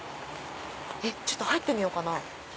ちょっと入ってみようかな。